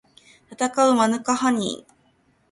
たたかうマヌカハニー